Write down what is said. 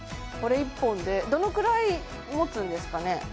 これ一本でどのくらいもつんですかね？